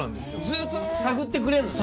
ずっと探ってくれるのね。